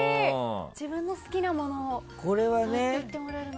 自分の好きなものをそうやって言ってもらえると。